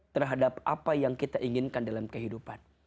terhadap apa yang kita inginkan dalam kehidupan